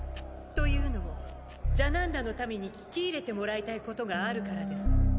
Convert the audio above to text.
というのもジャナンダの民に聞き入れてもらいたいことがあるからです。